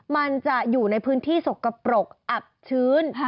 มันจะอยู่ในพื้นที่สกปรกอับชื้น